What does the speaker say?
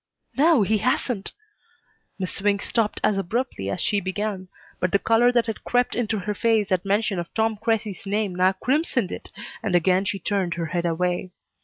"No, he hasn't " Miss Swink stopped as abruptly as she began, but the color that had crept into her face at mention of Tom Cressy's name now crimsoned it, and again she turned her head away.